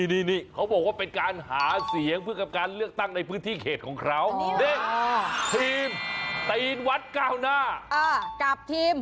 เนี่ยเขาบอกว่าเป็นการหาเสียงเพื่อกับการเลือกตั้งในพื้นที่เขตของเขา